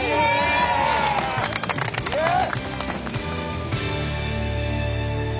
イエーイ！